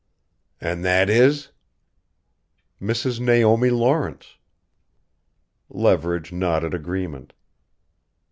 "And that is?" "Mrs. Naomi Lawrence." Leverage nodded agreement.